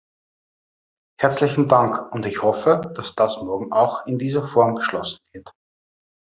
Herzlichen Dank, und ich hoffe, dass das morgen auch in dieser Form beschlossen wird!